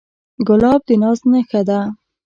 ګلاب د ناز نخښه ده.